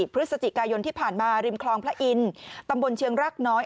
พฤศจิกายนที่ผ่านมาริมคลองพระอินทร์ตำบลเชียงรากน้อย